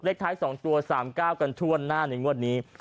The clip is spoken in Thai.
เลขท้าย๒ตัว๓ก้าวกันถ้วนหน้าในงวดนี้